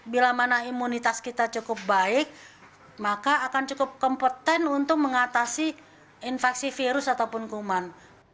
bila mana imunitas kita cukup baik maka akan cukup kompeten untuk mengatasi infeksi virus ataupun kuman